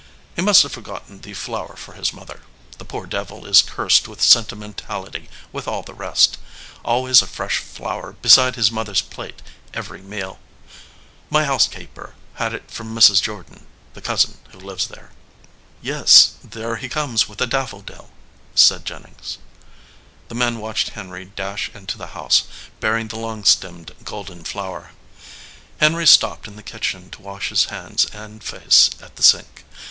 "He must have forgotten the flower for his mother. The poor devil is cursed with sentimental ity with all the rest ; always a fresh flower beside his mother s plate every meal. My housekeeper had it from Mrs. Jordan the cousin who lives there." "Yes, there he comes with a daffodil," said Jen nings. The men watched Henry dash into the house, bearing the long stemmed golden flower. Henry stopped in the kitchen to wash his hands and face at the sink.